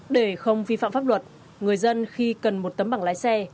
để không vi phạm pháp luật người dân khi cần một tấm bằng lái xe